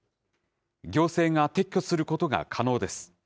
行政が撤去することが可能です。